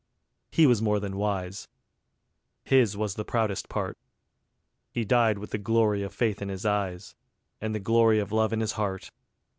He was more than wise. His was the proudest part. He died with the glory of faith in his eyes, And the glory of love in his heart.